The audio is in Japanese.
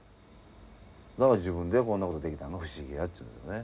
だから自分でこんなことできたんが不思議やっちゅうことね。